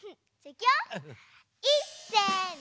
いっせの。